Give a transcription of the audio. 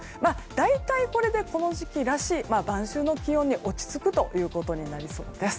大体、これでこの時期らしい晩秋の気温に落ち着くということになりそうです。